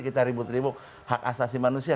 kita ribut ribut hak asasi manusia